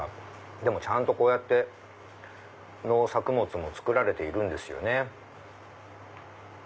でもちゃんとこうやって農作物も作られているんですよね。